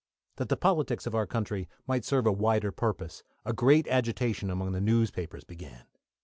That the politics of our country might serve a wider purpose, a great agitation among the newspapers began.